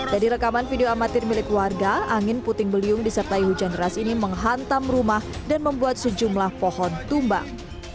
dari rekaman video amatir milik warga angin puting beliung disertai hujan deras ini menghantam rumah dan membuat sejumlah pohon tumbang